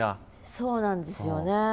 そうなんですよね。